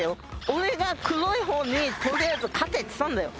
俺が黒い方にとりあえず勝てっつったんだよ